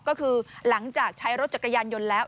ก็คือหลังจากใช้รถจักรยานยนต์แล้ว